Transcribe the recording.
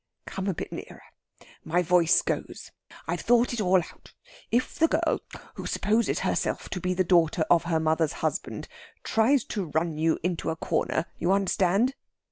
"Come a bit nearer my voice goes. I've thought it all out. If the girl, who supposes herself to be the daughter of her mother's husband, tries to run you into a corner you understand?"